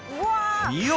見よ